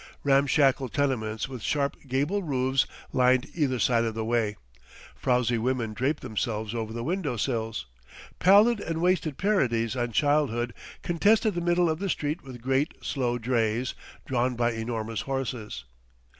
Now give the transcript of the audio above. Ramshackle tenements with sharp gable roofs lined either side of the way. Frowsy women draped themselves over the window sills. Pallid and wasted parodies on childhood contested the middle of the street with great, slow drays, drawn by enormous horses.